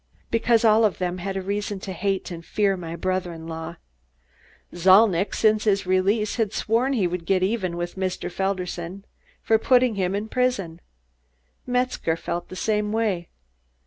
"Because all of them had reason to hate and fear my brother in law. Zalnitch, since his release, has sworn he would get even with Mr. Felderson for putting him in prison. Metzger felt the same way.